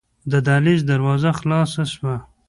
د دهلېز دروازه خلاصه شوه.